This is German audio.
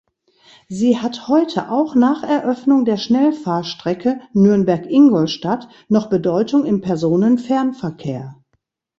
Sie hat heute auch nach Eröffnung der Schnellfahrstrecke Nürnberg–Ingolstadt noch Bedeutung im Personenfernverkehr.